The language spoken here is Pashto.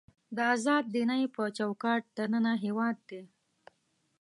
د ازاد دینۍ په چوکاټ دننه هېواد دی.